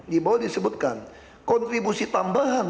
dibawah disebutkan kontribusi tambahan